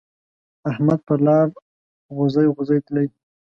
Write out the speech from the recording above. احمد پر لار غوزی غوزی تلی.